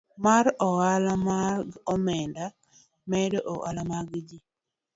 mar ohala mag omenda, medo ohala mar ji,